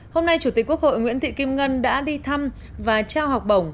hôm nay chủ tịch quốc hội nguyễn thị kim ngân đã đi thăm và trao học bổng